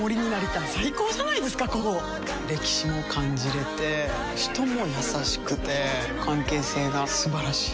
歴史も感じれて人も優しくて関係性が素晴らしい。